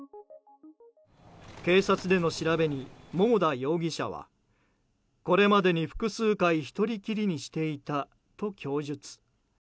警察での調べに桃田容疑者はこれまでに複数回１人きりにしていたと供述。